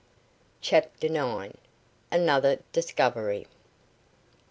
CHAPTER NINE. ANOTHER DISCOVERY.